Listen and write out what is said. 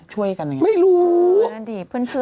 ช่วยกันไงไม่รู้